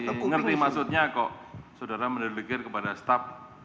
masih ngerti maksudnya kok saudara mendelegir kepada staff